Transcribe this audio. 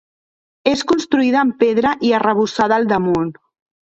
És construïda amb pedra i arrebossada al damunt.